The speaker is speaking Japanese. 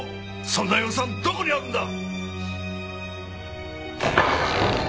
そんな予算どこにあるんだ！